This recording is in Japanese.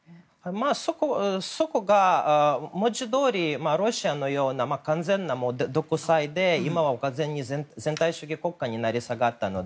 そこが文字どおりロシアのような完全な独裁で、今は全体主義国家に成り下がったので。